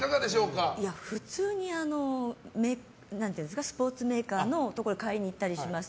いや、普通にスポーツメーカーのところに買いに行ったりします。